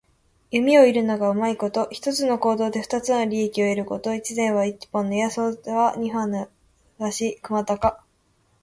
弓を射るのがうまいこと。一つの行動で二つの利益を得ること。「一箭」は一本の矢、「双雕」は二羽の鷲。くまたか。